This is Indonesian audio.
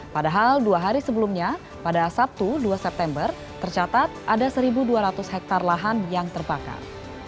padahal dua hari sebelumnya pada sabtu dua september tercatat ada satu dua ratus hektare lahan yang terbakar